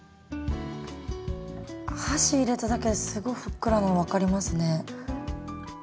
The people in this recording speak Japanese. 箸入れただけですごいふっくらなの分かりますね。